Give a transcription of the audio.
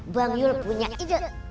bang yul punya ide